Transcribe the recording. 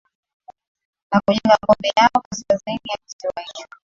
na kujenga ngome yao Kaskazini ya kisiwa hicho